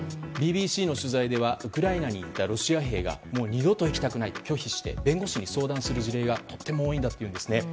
ＢＢＣの取材ではウクライナに行ったロシア兵が二度と行きたくないと拒否して弁護士に相談する事例がとても多いんだというんですね。